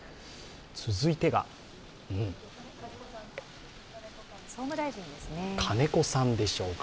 続いてが、金子さんでしょうか。